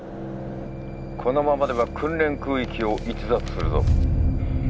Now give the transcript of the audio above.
このままでは訓練空域を逸脱するぞ。